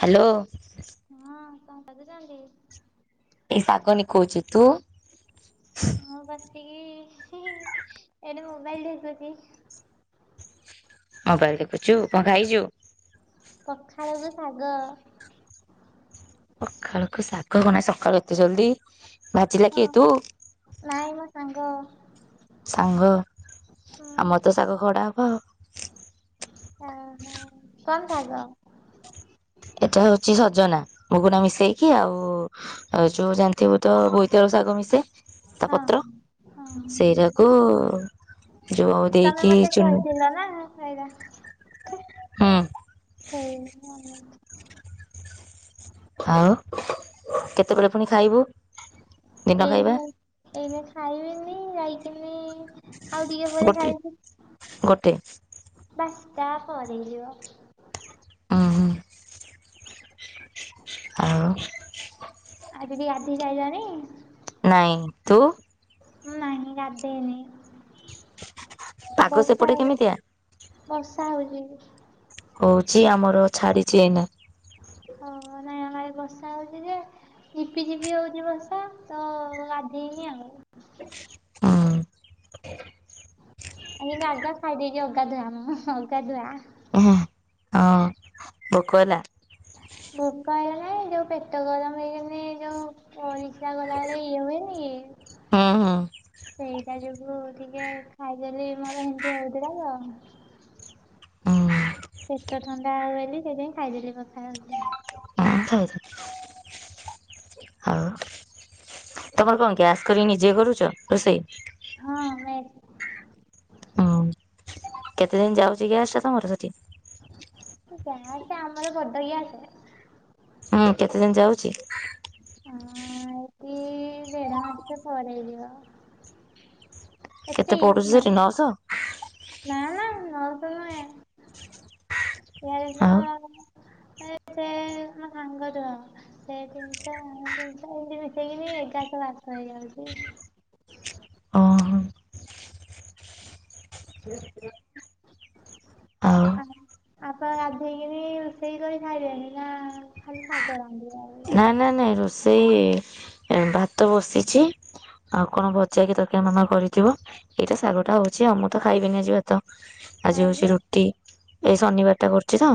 Hello. ହଁ କଣ କରୁଛନ୍ତି? ଏଇ ଶାଗ ନିକୋଉଛି, ତୁ? [unintelligible] [unintelligible] ଏଥି ମୋବାଇଲ ଦେଖୁଛି। ମୋବାଇଲ ଦେଖୁଛୁ କଣ ଖାଇଛୁ? ପଖାଳକୁ ଶାଗ। ପାଖାଳକୁୁ ଶାଗ କଣ ସକାଳୁ ଏତେ ଜଲଦି? ହଁ ନାଇଁ ମ ସାଙ୍ଗ। ସାଙ୍ଗ ଆମର ତ ସାଗ ଖଡା ହବ ଆଉ। ହ ହ କମ ଜାଗ। ଏଟା ହଉଛି ସଜନା ମୁଗୁନା ମିଶେଇକି ଆଉ ଆଉ ଯୋଉ ଜାଣିଥିବୁ ତ ବୋଇତା ଶାଗ ମିଶେ ତା ହଁ ପତ୍ର। ହଁ ସେରାକୁ ଯୋଉ ତମେ ଦେଇକି ମତେ ଚୂନ କହିଥିଲ [unintelligible] ଆଉ କେତେବେଳେ ପୁଣି ଖାଇବୁ? ଦିନ ଖାଇବା ଏଇନା ଏଇନ ଖାଇବନି ଯାଇକିନି ଆଉ ଟିକେ ପରେ ଗୋଟେ ଖାଇଛି ଗୋଟେ ବା। ତା ପରେ ଯିବ। ଓ ହୋ। ଆଉ? ଆ ଦିଦି ଗାଧେଇ ସାଇଲଣି? ନାଇଁ ତୁ? ନାହିଁ ଗାଧେଇ ନି। ପାଗ ସେପଟେ କେମିତିଆ? ବଷା ହଉଛି। ହଉଛି ଆମର ଛାଡିଛି ଏଇନା। ହ ନାଇଁ ଆମ ଵ ବର୍ଷା ହଉଛି ଯେ ଝିପି ଝିପି ହଉଛି ବର୍ଷା ତ ଗାଧେଇନି ଆଉ। ହଁ। ଏ ଆଗ ଖାଇଦେଇଛି ଅଗାଧୁଆ ମୁଁ ଅଗାଧୁଆ। ହଁ। [inaudible] ଭୋକ ହେଲା? ଭୋକ ହେଇଗଲାଣି ଯୋଉଁ ପେଟ ଗରମ ହେଇଗଲେ ଯୋଉଁ ଓ [unintelligible] ଗଲାବେଳେ ଇଏ ହୁଏନି ହୁଁ ହୁଁ ସେଇଟା ଯୋଗୁଁ ଟିକେ ଖାଇଦେଲି ମୋର ଏମିତି ହଉଥିଲା ତ। ହୁଁ ପେଟ ଥଣ୍ଡା ହବ ବୋଲି ସେଇଥିପାଇଁ ଖାଇଦେଲି ପଖାଳ ମୁଠେ [inaudible] ଆଉ ତମର କଣ ଗ୍ୟାସ କରିକି ନିଜେ କରୁଛ ରୋଷେଇ। ହଁ ମ ହୁଁ କେତେ ଦିନ ଯାଉଛି ଗ୍ୟାସ ଟା ତମର ସେଠି? ଗ୍ୟାସ ଆମର ବଡ଼ ଗ୍ୟାସ। ହୁଁ କେତେ ଦିନ ଯାଉଚି? ହଁ ଏଠି ଦେଢ଼ ମାସେ ପରିଯିବ। କେତେ ପଡୁଛି ସେଠି ନଅଶହ? ନା ନା ନଶହ ନୁହେଁ ଏ ଜ ଆଉ ଏ ସେ ମୋ ସାଙ୍ଗ ଯୋଉଁ ସେ ତିନିଶହ ମୁଁ ତିନିଶହ ମିଶେଇକିନି ଏଗାର ରାସ୍ତା ହେଇଯାଉଛି। ଓହୋ [inaudible] ଆଉ [inaudible] ଆପଣ ଗାଧେଇକି ବି ରୋଷେଇକ କରି ଖାଇବେନି ନା ଖାଲି ଶାଗ ଆନ୍ଧିବେ। ନା ନା ନାଇଁ ରୋଷେଇ ଭାତ ବସିଛି। ଆଉ କଣ [unintelligible] ଏଇତ ଶାଗ ଟା ହଉଛି ଆମେ ତ ଖାଇବୁନି ଯେହେତୁ। ଆଜି ହଉଛି କାହିଁକି ରୁଟି ଏଇ ଶନିବାର ଟା କରୁଛି ନା।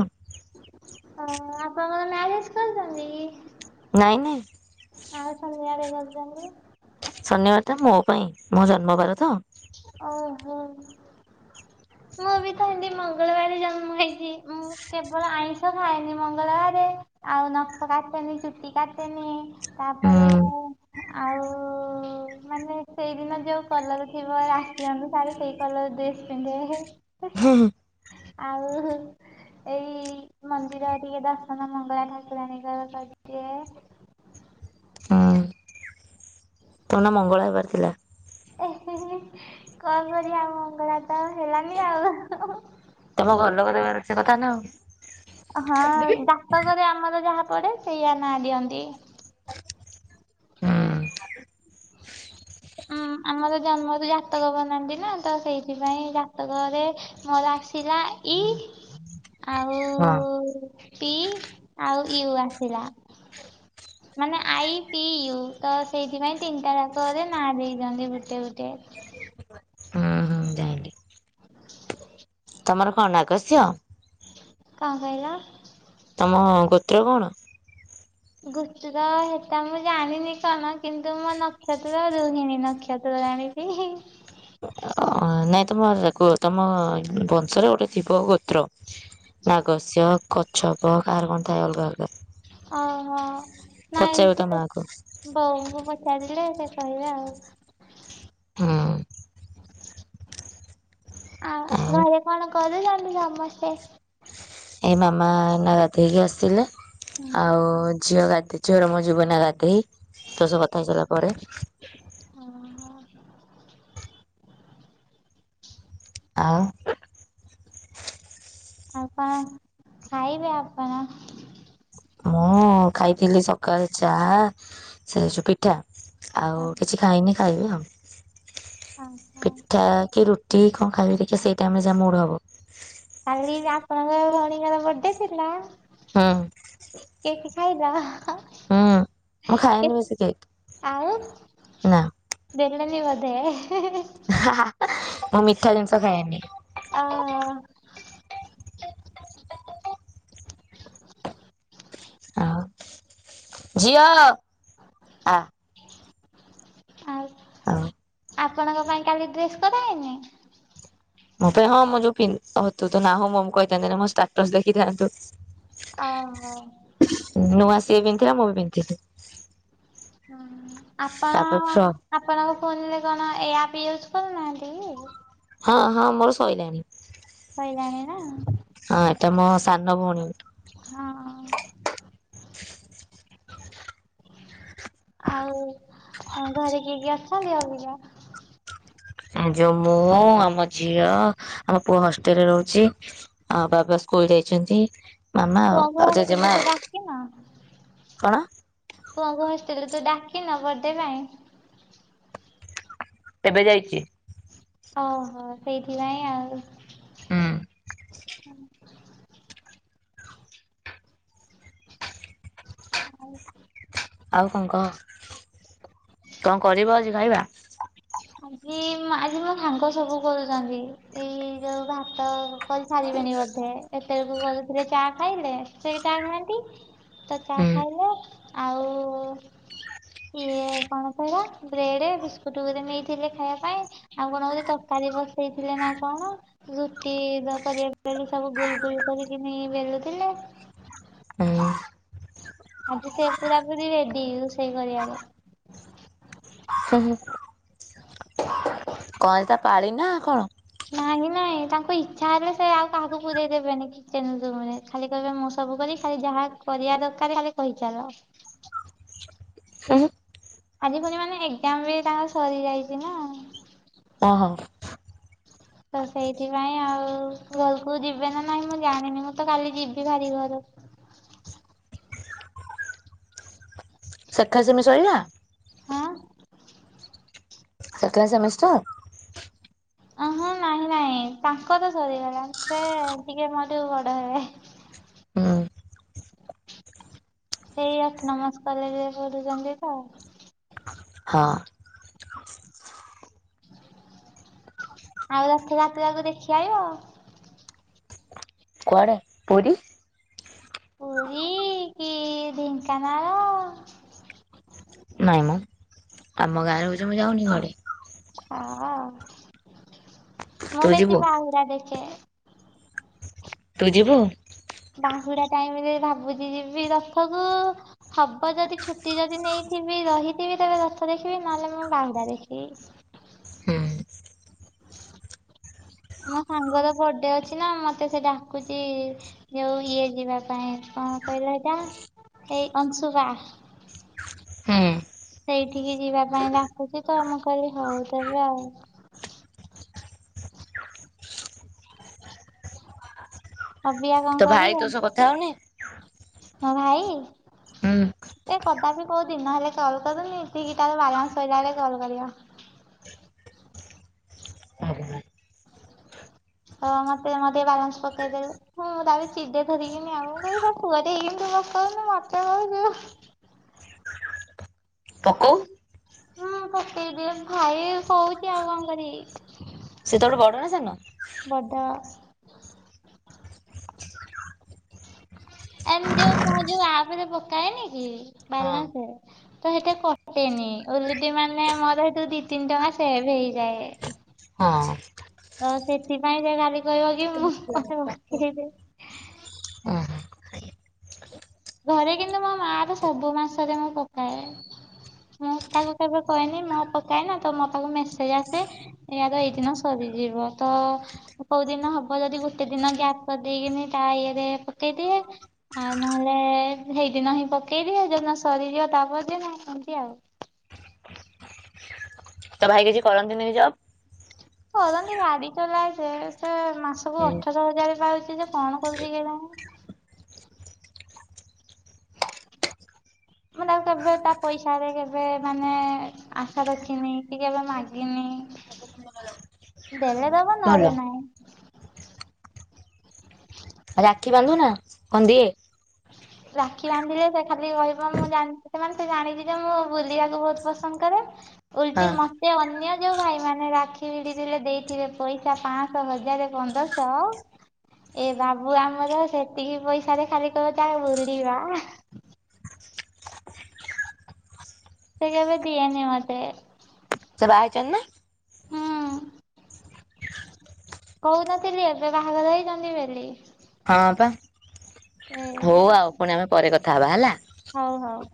ହଁ ଆପ [unintelligible] ଆଉ ନାଇଁ ନାଇଁ ତମ ଆଡ଼େ [unintelligible] ଶନିବାର ଟା ମୋ ପାଇଁ ମୋ ଜନ୍ମବାର ତ। ଓହୋ ମୁଁ ବି ତ ହେମିତି ମଙ୍ଗଳବାରେ ଜନ୍ମ ହେଇଛି। ଉଁ କେବଳ ଆଇ ମୁଁ ତ ଖାଏନି ମଙ୍ଗଳବାର ଆଉ ନଖ କାଟେନି ଚୁଟି କାଟେନି। ହୁଁ ତାପରେ ଆଉ ମାନେ ସେଇଦିନ ଯୋଉ କଲର [unintelligible] ସେଇ କଲର ଡ୍ରେସ ପିନ୍ଧେ। ହଁ। ଆଉ ଏଇ ମନ୍ଦିରରେ ଟିକେ ଦର୍ଶନ ମଙ୍ଗଳା ଠାକୁରଙ୍କ କରିଦିଏ। ହଁ। ଏଇନା ମଙ୍ଗଳ ହେବାର ଥିଲା। କଣ କରିବା ମଙ୍ଗଳା ତ ହେଲାନି ଆଉ। ତମ ଘର ଲୋକ ଦେବାର କଥା ନା। ହଁ ଜାତକ ରେ ଆମର ଯାହା ପଡେ ସେଇଆ ନାଁ ଦିଅନ୍ତି। ହୁଁ। ହଁ। ଆମର ଜନ୍ମରୁ ଜାତକ ବନାନ୍ତି ନା ତ ସେଇଥିପାଇଁ ଜାତକରେ ମୋର ଆସିଲା। ଇ ଆଉ ହଁ। ପି ଆଉ ୟୁ ଆସିଲା। ମାନେ ଆଇ ପି ୟୁ ତ ସେଇଥିପାଇଁ ତିନିଟା ଯାତକରେ ନାଁ ଦେଇଛନ୍ତି ଗୁଟେ ଗୁଟେ। ହୁଁ ହୁଁ ଯାଇଁଲି। ତମର କଣ ନାଗସ୍ୟ? କଣ କହିଲ? ହଁ ଗୋତ୍ର କଣ? ଗୁତ୍ର ହେଟା ମୁଁ ଜାଣିନି କଣ, କିନ୍ତୁ ମୋ ନକ୍ଷତ୍ର ରୁହିଣୀ ନକ୍ଷତ୍ର ଜାଣି ଜାଣିଚି ଅ ନାଇଁ ତମର ତମ ବଂଶରେ ଗୋଟେ ଥିବ ଗୋତ୍ର। ନାଗଶ୍ୟ, କଚ୍ଛପ କାହାର କଣ ଥାଏ? ଅଲଗା ଅଲଗା ଓ ହୋ ନାଇଁ ପଚାରିବ ତା ସେ ମାଆକୁ ବୋଉଙ୍କୁ ପଚାରିଲେ ସେ କହିବ ଆଉ। ହୁଁ। ଆଉ ଘରେ କଣ କରୁଛନ୍ତି ସମସ୍ତେ? ଏ ମାମା ଏଇନା ଗାଧେଇକି ଆସିଲା। ହୁଁ। ଆଉ ଝିଅ ଗାଧୋଇ ଝିଅର ମୋ ଯିବୁ ଏଇନା ଗାଧେଇ। ତୋ ସାଙ୍ଗେ କଥା ହେଇ ସାଇଲା ପରେ। ଓହୋ ଆଉ। ଆଉ କଣ ଖାଇବେ ଆପଣ? ମୁଁ ଖାଇଥିଲି ସକାଳେ ଚା ସେ [unintelligible] ପିଠା। ଆଉ କିଛି ଖାଇନି, ଖାଇବି ଆଉ ପିଠା କି ରୁ କିଏ କଣ ଖାଇବ, ଦେଖିଆ ସେଇ ଟାଇମ୍ ରେ ଯାହା ମୁଡ୍ ହବ। ପିଲାର ବଡେ ଥିଲା, ହୁଁ କେକ ଖାଇଲ? ହଁ ହୁଁ ମୁଁ ଏ ଖାଏନି ବେଶୀ କେକ୍ ଆଉ ନା ଦେଲେନି ଦେ ମୁଁ ମିଠା ଜିନିଷ ଖାଏନି। ଅ ଆଉ ଝିଅ ଆ ହଉ। ଆଉ। ଆପଣଙ୍କ ପାଇଁ କାଲି ଡ୍ରେସ୍ କରାହେଇନି? ମୋ ପାଇଁ ହଁ ମୁଁ ଯୋଉ ପି ଓ ହ ତୁ ତ ନାହୁଁ, ମୁଁ କହିଥାନ୍ତି ମୋ ଷ୍ଟାଟସ୍ ଦେଖିଥାନ୍ତୁ। ଆ ହ। ସେ ପିନ୍ଧିଥିଲା, ମୁଁ ବି ପିନ୍ଧିଥିଲି। ହଁ ଆପଣ ତାପରେ ଫ୍ର ଆପଣଙ୍କ ଫୋନରେ କଣ ଏ ଆପ ପିକୁଲ ନାହାନ୍ତି କି? ହଁ ହଁ ମୋର ସଇଲାଣି। ସଇଲାଣି ନା? ହଁ ଏଟା ମୋ ସାନ ଭଉଣୀ ହଁ। ଆଉ ଘରେ କିଏ କିଏ ଅଛନ୍ତି ଅବିକା? ଯୋଉ ମୁଁ, ଆମ ଝିଅ, ଆମ ପୁଅ ହଷ୍ଟେଲରେ ରହୁଛି, ଆଉ ବାବା ସ ସ୍କୁଲ ଯାଇଛନ୍ତି। ମାମା ଆଉ ପୁଅଙ୍କୁ ଆଉ ଜେଜେମା ହଷ୍ଟେଲରୁ ଆଉ ଡାକିନ, କଣ? ପୁଅଙ୍କ ହସ୍ [unintelligible] ଡାକିନ ବର୍ଥ ଡେ ପାଇଁ। ଏବେ ଯାଇଚି। ଓ ହୋ ସେଇଥିପାଇଁ ଆଉ। ହୁଁ। [unintelligible] ଆଉ କଣ କହ? କଣ କରିବ ଆଜି ଖାଇବା? ଆଜି ଆଜି ମୋ ସାଙ୍ଗ ସବୁ କରୁଛନ୍ତି, ଏଇ ଯୋଉ ଭାତ କରି ସାରିବେଣୀ ବୋଧେ? ଏତେବେଳକୁ କରୁଥିଲେ ଚା ଖାଇଲେ ସେ ଚା ଖାଆନ୍ତି। ତ ଚାହା ହୁଁ ଖାଇଲେ। ଆଉ ଇଏ କଣ କହିଲ, ବ୍ରେଡ ବିସ୍କୁଟ ଗୋଟେ ନେଇ ଥିଲେ ଖାଇବା ପାଇଁ ଆଉ କଣ ହଉଛି, ତରକାରୀ ବସେଇଥିଲେ ନା କଣ ରୁଟି କରିବେ ବେଲି ସବୁ ଗୁଲ ଗୁଲ କରିକିନି ବେଲୁଥିଲେ। ହୁଁ। ଆଜି ସେ ପୁରା ପୁରି ରେଡି, ରୋଷେଇ କରିବାରେ। ସେମି କଣ ତା ପାଳି ନା କଣ? ନାଇଁ ନାଇଁ ତାଙ୍କୁ ଇଛା ହେଲେ ସେ ଆଉ କାହାକୁ ପୁରେଇ ଦେବେନି କେନ୍ଦୁ ମୂଳେ ଖାଲି କହିବେ ମୋ ସବୁ କରି ଖାଲି ଯାହା କରିବା ଦରକାର ଖାଲି କହିଚାଲ। ହୁଁ ହୁଁ। ଆଜି ପୁଣି ମାନେ ଏଜାମ ବି ତାଙ୍କ ସରି ଯାଇଛି ନା। ଓ ହୋ। ତ ସେଇଥିପାଇଁ ଆଉ ଘରକୁ ଯିବେ ନା ନାଇଁ ମୁଁ ଜାଣିନି ମୁଁ ତ କାଲି ଯିବି ହାରି ଘର ସେକା ସେମି ସରିଲା? ହଁ। ସେକେଲା ସେମିଷ୍ଟାର? ଅ ହଁ ନାହିଁ ନାହିଁ। ନାଇ ତାଙ୍କର ସରିଗଲା ସେ ଟିକେ ମୋଠୁ ବଡ ହୁଁ ହେବେ। ସେଇ ଅଟୋନମସ୍ କଲେଜ୍ ରେ ପଢ଼ୁଛନ୍ତି ତ। ହଁ। ଆଉ ରଥ ଯାତ୍ରାକୁ ଦେଖି ଆଇବ। କୁଆଡ଼େ ପୁରୀ? ପୁରୀ କି ଢେଙ୍କାନାଳ? ନାଇଁ ମ ଆମ ଗାଁରେ ହଉଛି ମୁଁ ଯାଉନି କୁଆଡ଼େ? ହଁ ଅ ମୁଁ ତୁ ଯିବୁ ବେଶୀ ବାହୁଡ଼ା ଦେଖେ। ତୁ ଯିବୁ? ବାହୁଡା ଟାଇମରେ ଭାବୁଛି ଯିବି ରଥକୁ ହବ ଯଦି ଛୁଟି ଯଦି ନେଇ ଥିବି ରହିଥିବି ତେବେ ରଥ ଦେଖିବି ନହେଲେ ମୁଁ ବାହୁଡା ଦେଖିବି। ହୁଁ। ମୋ ସାଙ୍ଗର ବର୍ଥଡେ ଅଛି ନା ମତେ ସେ ଡାକୁଛି ଯୋଉ ଇଏ ଯିବା ପାଇଁ କଣ କହିଲ ଏଇଟା ଏଇ ସେଇ ଅଂଶୁପା। ହୁଁ। ସେଇଠିକି ଯିବା ପାଇଁ ଡାକୁଛି ତ ମୁଁ କହିଲି ହଉ ତେବେ ଆଉ। ଅବିକା ତୋ କଣ ଭାଇ କରିବ? ତୋ ସହ କଥା ହଉନି ମୋ ଭାଇ? ସେ କଦାପି କୋଉ ଦିନ ହେଲେ କଲ୍ କରୁନି ଠିକ୍ ତାର ବାଲାନ୍ସ ସାରିଲା ବେଳେ କଲ୍ କରିବ। ହୁଁ ତ ମତେ ମତେ ବାଲାନ୍ସ ପକେଇଦେଲେ ମୁଁ ତା ଉପରେ ଚିଡେ ଧରିକିନି ଆଉ ମୁଁ କହିଲି ପୁଅ ରେ ତୁ ପକଉନୁ ମୋତେ କହୁଛୁ। ପକଉ ହଁ ପକେଇ ଦିଏ ଭାଇ କହୁଛି ଆଉ କଣ କରିବି? ସେ ତ ଠୁ ବଡ ନା ସାନ? ବଡ ଏମ ଯୋଉ ମୋ ଯୋଉ ଆପ ରେ ପକାଏନି କି ହଁ। ବାଲାନସ ତ ସେଇଠି କଟେନି। ହେଁ ଓଲଟି ମାନେ ମୋର ଦି ତିନି ଟଙ୍କା ସେଭ ହେଇଯାଏ। ହଁ। ତ ସେଥିପାଇଁ ସେ ଖାଲି କହିବ କି ମୁଁ ମତେ ପକେଇ ଦିଏ। ଉଁ ହୁଁ ଘରେ କିନ୍ତୁ ମୋ ମା ର ସବୁ ମାସରେ ମୁଁ ପକାଏ। ମୁଁ ତାକୁ କେବେ କହନି ମୋ ପକାଏ ନା ତ ମୋ ପାଖକୁ ମେସେଜ ଆସେ ଇୟାର ଏଇ ଦିନ ସରି ଯିବ ତ କୋଉ ଦିନ ହବ ଯଦି ଗୋଟେ ଦିନ ଗ୍ୟାପ୍ କରି ଦେଇକି ତା ଇଏରେ ପକେଇଦିଏ। ଆ ନହେଲେ ଏ ହେଇଦିନ ହିଁ ପକେଇଦିଏ ଯୋଉ ଦିନ ସରିଯିବ ତାପର ଦିନ ଏମିତି ଆଉ। ତ ଭାଇ କିଛି କରନ୍ତିନି କି ଜବ୍? କରନ୍ତି ଗାଡି ଚଲାଏ ସେ ମାସକୁ ହୁଁ। ଅଠର ହଜାର ପାଉଛି ଯେ କଣ କରୁଛି କେଜାଣି? ହ [unintelligible] କେବେ ତା ପଇସାରେ କେବେ ମାନେ ଆଶା ରଖିନି, କି କେବେ ମାଗିନି। ଦେଲେ ଦବ ଭଲ ନହେଲେ ନାଇଁ ଆଉ ରାକ୍ଷୀ ବାନ୍ଧୁ ନା, କଣ ଦିଏ? ରାକ୍ଷୀ ବାନ୍ଧିଲେ ସେ ଖାଲି କହିବ, ମୁଁ ସେମାନେ ସେ ଜାଣିଛି ଯେ -ମୁଁ ବୁଲିବାକୁ ବହୁତ ପସନ୍ଦ କରେ। ଉଲଟି ହଁ। ମତେ ଅନ୍ୟ ଯୋଉ ଭାଇ ମାନେ ରାକ୍ଷୀ ଭିଡି ଥିଲେ ଦେଇଥିବେ ପଇସା ପାଞ୍ଚଶହ ହଜାର ପନ୍ଦରଶହ ଏ ବାବୁ ଆମର ସେତିକି ପଇସାରେ ଖାଲି କହିବ ଚା ବୁଲିବା। ସେ କେବେ ଦିଏନି ମତେ। ସେ ବାହା ହେଇଛନ୍ତି ନା? ହୁଁ। କହୁନଥିଲି ଏବେ ବାହାଘର ହେଇଛନ୍ତି ବୋଲି। ହଁ ପା, ଏ ହଉ ଆଉ ପୁଣି ଆମେ ପରେ କଥା ହବା ହେଲା। ହଉ ହଉ।